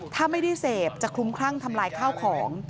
ถ้าไม่ได้เสพจะคลุมคลั่งทำลายข้าวของ